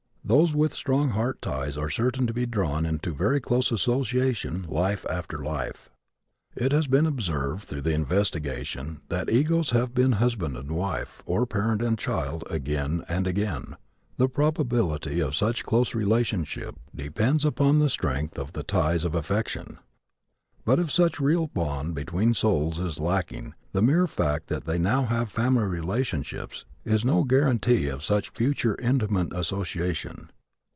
Those with strong heart ties are certain to be drawn into very close association life after life. It has been observed through the investigations that egos have been husband and wife, or parent and child, again and again. The probability of such close relationships depends upon the strength of the ties of affection. But if such real bond between the souls is lacking the mere fact that they now have family relationships is no guarantee of such future intimate association.